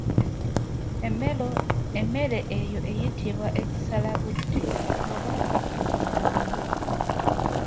Emmere eyo eyitibwa ekisalabudde oba ekibundugulu.